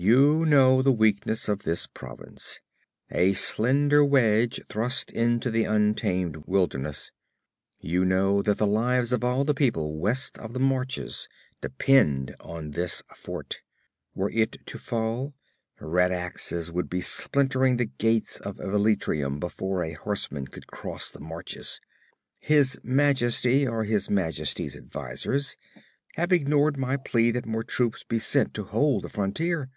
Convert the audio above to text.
You know the weakness of this province a slender wedge thrust into the untamed wilderness. You know that the lives of all the people west of the marches depend on this fort. Were it to fall, red axes would be splintering the gates of Velitrium before a horseman could cross the marches. His majesty, or his majesty's advisers, have ignored my plea that more troops be sent to hold the frontier.